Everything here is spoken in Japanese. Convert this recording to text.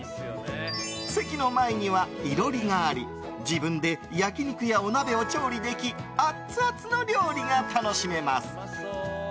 席の前には囲炉裏があり自分で焼き肉やお鍋を調理できアツアツの料理が楽しめます。